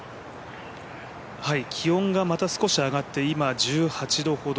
気温がまた少し上がって、今１８度ほど。